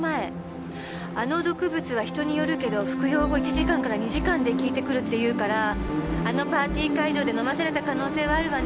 あの毒物は人によるけど服用後１時間から２時間で効いてくるっていうからあのパーティー会場で飲まされた可能性はあるわね。